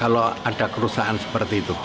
kalau itu tak terpaksa